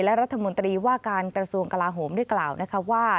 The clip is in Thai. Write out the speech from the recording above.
และรัฐมนตรีว่าการกระทรวงกลาโหมได้กล่าวนะคะว่า